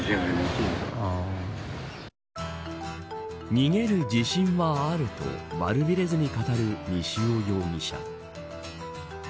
逃げる自信はある、と悪びれずに語る西尾容疑者。